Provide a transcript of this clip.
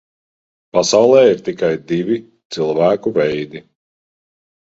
Pasaulē ir tikai divi cilvēku veidi.